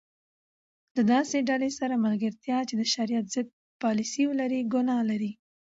د داسي ډلي سره ملګرتیا چي د شرعیت ضد پالسي ولري؛ ګناه لري.